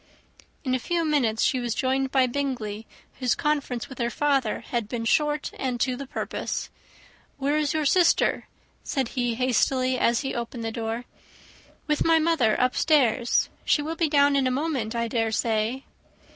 In a few minutes she was joined by Bingley, whose conference with her father had been short and to the purpose. "Where is your sister?" said he hastily, as he opened the door. "With my mother upstairs. She will be down in a moment, I dare say."